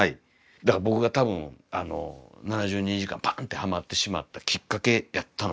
だから僕が多分「７２時間」バンってハマってしまったきっかけやったのかも分からないです